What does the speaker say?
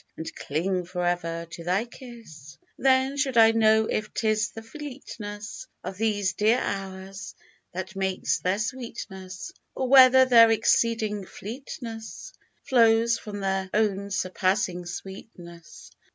And cling for ever to thy kiss ! Then should I know if 'tis the fleetness Of these dear hours that makes their sweetness. Or whether their exceeding fleetness Flows from their own surpassing sweetness.